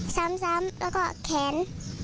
ซ้ำแล้วก็แขน